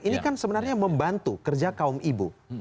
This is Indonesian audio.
ini kan sebenarnya membantu kerja kaum ibu